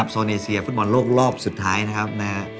โซเนเซียฟุตบอลโลกรอบสุดท้ายนะครับ